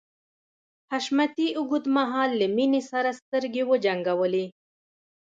حشمتي اوږد مهال له مينې سره سترګې وجنګولې.